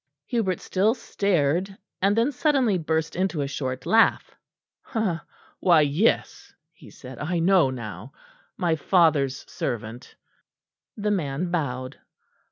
Hubert still stared; and then suddenly burst into a short laugh. "Why, yes," he said; "I know now. My father's servant." The man bowed.